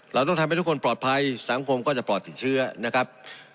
เราต้องทำให้ทุกคนปลอดภัยสังคมก็จะปลอดติดเชื้อนะครับ